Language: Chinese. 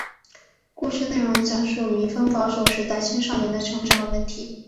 故事内容讲述民风保守时代青少年的成长问题。